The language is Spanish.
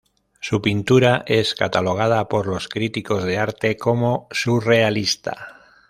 Su pintura es catalogada por los críticos de arte como surrealista.